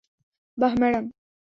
বাহ, ম্যাডাম।